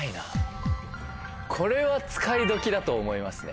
これは使い時だと思いますね。